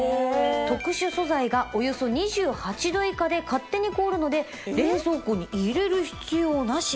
特殊素材がおよそ２８度以下で勝手に凍るので冷蔵庫に入れる必要なし。